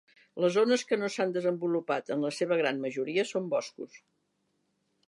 Les zones que no s'han desenvolupat en la seva gran majoria són boscos.